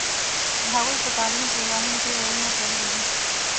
د هغوی په تعلیمي پروګرامونو کې ورونه تړلي وي.